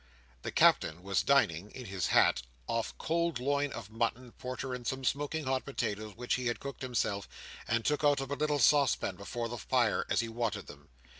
The Captain was dining (in his hat) off cold loin of mutton, porter, and some smoking hot potatoes, which he had cooked himself, and took out of a little saucepan before the fire as he wanted them.